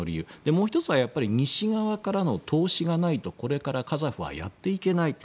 もう１つは西側からの投資がないとこれからカザフはやっていけない。